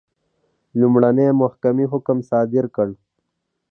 لومړنۍ محکمې حکم صادر کړ.